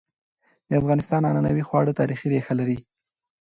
د افغانستان عنعنوي خواړه تاریخي ريښه لري.